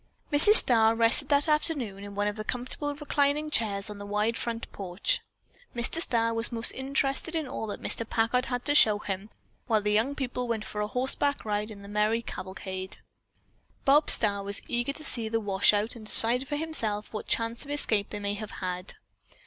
Mrs. Starr rested that afternoon in one of the comfortable reclining chairs on the wide front porch. Mr. Starr was most interested in all that Mr. Packard had to show him, while the young people went for a horseback ride in merry cavalcade. Bob Starr was eager to see the washout, and decide for himself what chance of escape they might have had.